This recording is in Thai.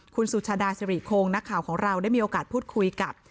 คุณสุชาดาสิริคงนักข่าวของเราได้มีโอกาสพูดคุยกับ